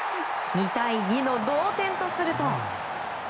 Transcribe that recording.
２対２の同点とすると。